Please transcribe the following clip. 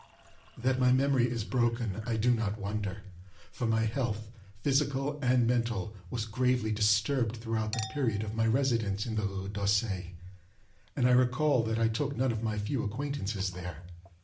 That my memory is broken, I do not wonder; for my health, physical and mental, was gravely disturbed throughout the period of my residence in the Rue d'Auseil, and I recall that I took none of my few acquaintances there.